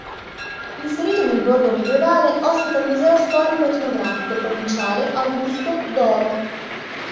Inserito nel borgo medioevale, ospita il museo storico-etnografico provinciale "Augusto Doro".